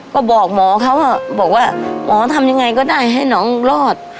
ก็บอกหมอเขาบอกว่าหมอทำยังไงก็ได้ให้น้องรอด